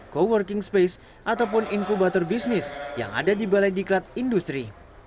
co working space ataupun inkubator bisnis yang ada di balai diklat industri